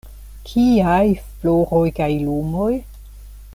Kiaj floroj kaj lumoj?